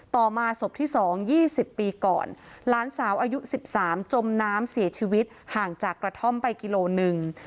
ต่อมาศพที่๒๒๐ปีก่อนหลานสาวอายุ๑๓จมน้ำเสียชีวิตห่างจากกระท่อมไปกิโลหนึ่ง